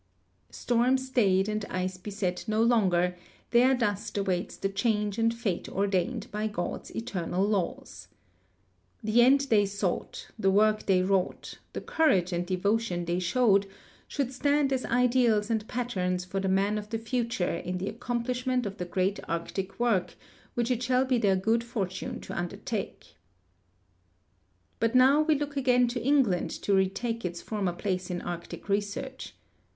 Storm stayed and ice beset no longer, their dust awaits the change and fate ordained by God's eternal laws. The end they sought, the work they wrought, the courage and devotion they showed should stand as ideals and patterns for the men of the future in the accomplishment of the great Arctic work which it shall be their good fortune to undertake. But now we look again to England to retake its former place in Arctic research.